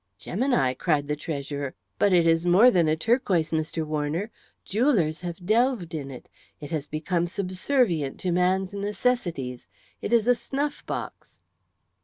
"Gemini!" cried the treasurer. "But it is more than a turquoise, Mr. Warner. Jewellers have delved in it. It has become subservient to man's necessities. It is a snuff box."